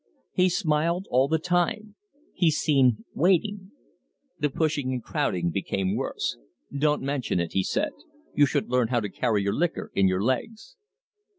He smiled all the time; he seemed waiting. The pushing and crowding became worse. "Don't mention it," he said. "You should learn how to carry your liquor in your legs."